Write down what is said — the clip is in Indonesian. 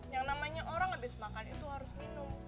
yang namanya orang habis makan itu harus minum